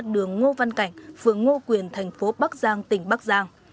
hai mươi ba đường ngo văn cảnh phường ngo quyền thành phố bắc giang tỉnh bắc giang